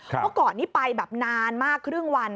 เพราะก่อนนี้ไปนานมากครึ่งวัน